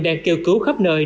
đang kêu cứu khắp nơi